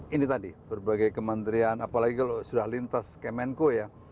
ini tadi berbagai kementerian apalagi kalau sudah lintas kemenko ya